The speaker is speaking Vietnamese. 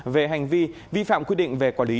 về hành vi vi phạm quy định về quản lý